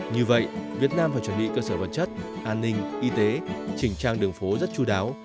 như vậy việt nam phải chuẩn bị cơ sở vật chất an ninh y tế chỉnh trang đường phố rất chú đáo